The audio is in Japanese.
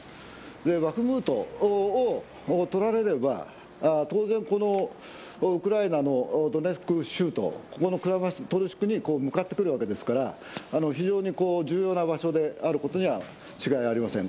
バフムトを取られれば当然、ウクライナのドネツク州とクラマトルシクに向かってくるわけですから非常に重要な場所であることには違いありません。